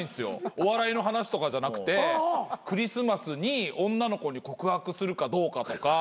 お笑いの話とかじゃなくてクリスマスに女の子に告白するかどうかとか。